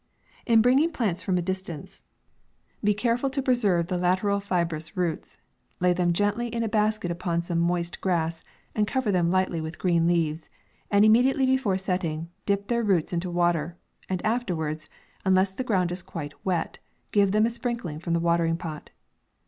In bringing plants from a distance, be care MAY. • 31 ful to preserve the lateral fibrous roots ; lay them gently in a basket upon some moist grass, and cover them lightly with green leaves, and immediately before setting, dip their roots into water, and afterwards, unless the ground is quite wet, give them a sprink ling from the watering pot.